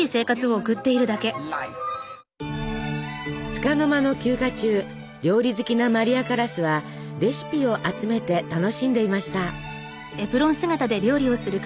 つかの間の休暇中料理好きなマリア・カラスはレシピを集めて楽しんでいました。